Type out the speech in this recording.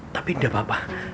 tapi tidak apa apa